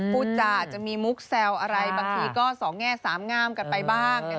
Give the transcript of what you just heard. พูดจาจะมีมุกแซวอะไรบางทีก็สองแง่สามงามกันไปบ้าง